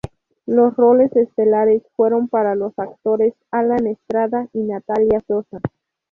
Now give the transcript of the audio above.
Los roles estelares fueron para los actores Alan Estrada y Natalia Sosa.